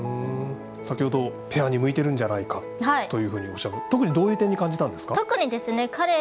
先ほど、ペアに向いてるんじゃないかとおっしゃっていて特にどういう点に感じたんですか。